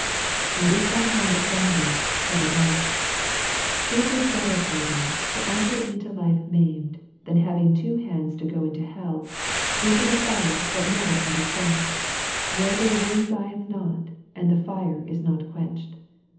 43 And if thy hand offend thee, cut it off: it is better for thee to enter iuto life maimed, than having two haads to go iuto hell, into the fire that never shall be quenched : 44 Where their worm dieth not, and the fire is not quenched.